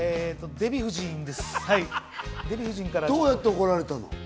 どうやって怒られたの？